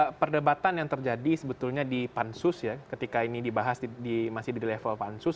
ya perdebatan yang terjadi sebetulnya di pansus ya ketika ini dibahas masih di level pansus